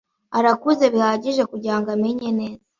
arakuze bihagije kugirango amenye neza.